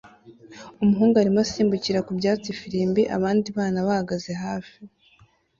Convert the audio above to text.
Umuhungu arimo asimbukira ku byatsi ifirimbi abandi bana bahagaze hafi